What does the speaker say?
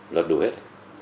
luật đủ hết